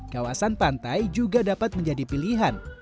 kawasan pantai juga dapat menjadi pilihan